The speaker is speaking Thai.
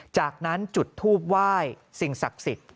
จากนั้นจุดทูบไหว้สิ่งศักดิ์สิทธิ์